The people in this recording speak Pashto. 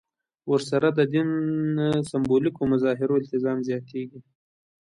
ورسره د دین سېمبولیکو مظاهرو التزام زیاتېږي.